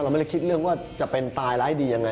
ไม่ได้คิดเรื่องว่าจะเป็นตายร้ายดียังไง